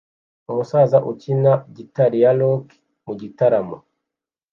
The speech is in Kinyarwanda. umusaza ukina gitari ya rock mugitaramo